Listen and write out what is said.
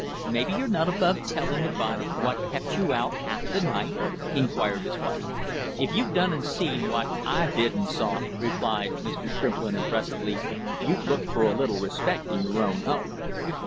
"Maybe you're not above telling a body what kept you out half the night?" inquired his wife. "If you done and seen what I've did and saw," replied Mr. Shrimplin impressively, "you'd look for a little respect in your own home."